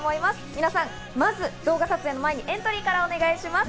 皆さん、まず動画を撮影する前にエントリーからお願いします。